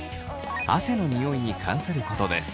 汗のニオイに関することです。